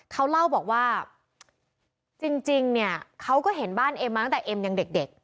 เขาเล่าบอกว่าจริงเนี่ยเขาก็เห็นบ้านเอ็มมาตั้งแต่เอ็มยังเด็ก